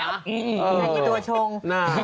อยากให้ดูชง